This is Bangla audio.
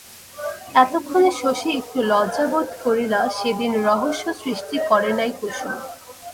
এতক্ষণে শশী একটু লজ্জা বোধ করিলা সেদিন রহস্য সৃষ্টি করে নাই কুসুম।